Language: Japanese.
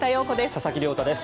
佐々木亮太です。